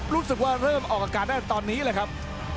รู้สึกว่าเริ่มออกกระกาศตั้งแต่ตอนนี้แหละครับ